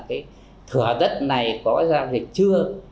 cái thửa đất này có giao dịch chưa